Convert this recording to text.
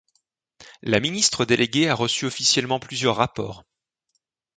La ministre déléguée a reçu officiellement plusieurs rapports.